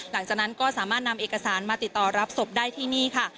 หลังจากนั้นก็สามารถนำเอกสารมาติดต่อรับศพได้ที่นี่ค่ะ